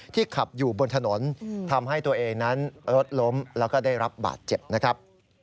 ขับอยู่บนถนนทำให้ตัวเองนั้นรถล้มแล้วก็ได้รับบาดเจ็บนะครับ